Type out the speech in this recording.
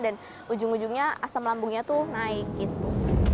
maka asam lambungnya tuh naik gitu